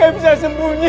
saya tidak bisa berhenti